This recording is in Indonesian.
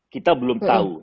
kita belum tahu